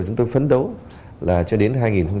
chúng tôi phấn đấu là cho đến hai nghìn ba mươi